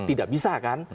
tidak bisa kan